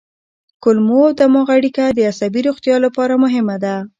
کولمو او دماغ اړیکه د عصبي روغتیا لپاره مهمه ده.